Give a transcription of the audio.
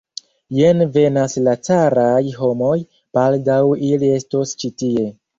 Jen venas la caraj homoj, baldaŭ ili estos ĉi tie.